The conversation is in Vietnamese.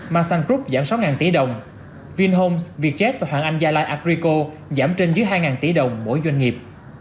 marsan group giảm sáu tỷ đồng vinhomes vietjet và hoàng anh gia lai agrico giảm trên dưới hai tỷ đồng mỗi doanh nghiệp